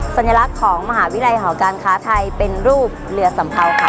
สัญลักษณ์ของมหาวิทยาลัยหอการค้าไทยเป็นรูปเรือสัมเภาค่ะ